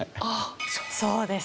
そうです。